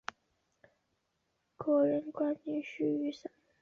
个人冠军需于三轮准决赛及三轮决赛中得到最好的成绩。